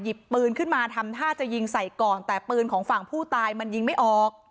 ปืนขึ้นมาทำท่าจะยิงใส่ก่อนแต่ปืนของฝั่งผู้ตายมันยิงไม่ออก